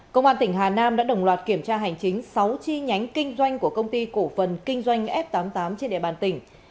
công an tỉnh hà nam đã đồng loạt kiểm tra hành chính sáu chi nhánh kinh doanh của công ty cổ phần kinh doanh f tám mươi tám trên địa bàn tỉnh